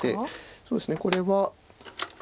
そうですねこれは。